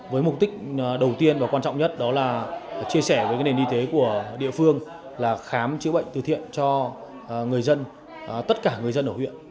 với mục đích đầu tiên và quan trọng nhất đó là chia sẻ với nền y tế của địa phương là khám chữa bệnh từ thiện cho người dân tất cả người dân ở huyện